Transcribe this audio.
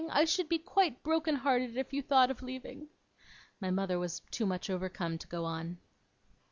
I should be quite broken hearted if you thought of leaving ' My mother was too much overcome to go on.